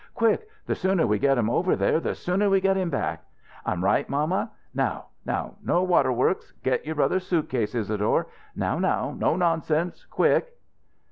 Quick! The sooner we get him over there the sooner we get him back! I'm right, mamma? Now now no water works! Get your brother's suitcase, Isadore. Now now no nonsense quick!"